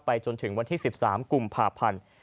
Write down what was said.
ไปจนถึงวันที่๑๓กลุ่มผ่าพันธุ์